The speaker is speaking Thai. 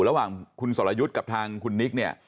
ระหว่างคุณสรยุทธ์กับทางคุณนิกเนี่ย